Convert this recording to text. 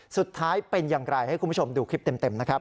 สุดท้ายเป็นอย่างไรให้คุณผู้ชมดูคลิปเต็มนะครับ